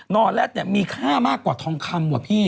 อแร็ดเนี่ยมีค่ามากกว่าทองคำว่ะพี่